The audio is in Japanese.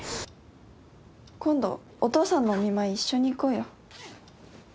今度お父さんのお見舞い一緒に行こうよ。